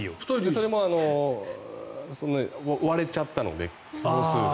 それも割れちゃったので票数が。